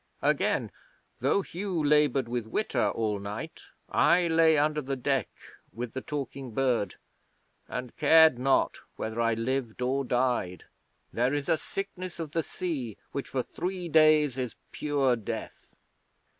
Again, though Hugh laboured with Witta all night, I lay under the deck with the Talking Bird, and cared not whether I lived or died. There is a sickness of the sea which for three days is pure death!